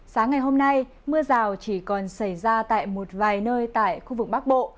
sáng ngày hôm nay mưa rào chỉ còn xảy ra tại một vài nơi tại khu vực bắc bộ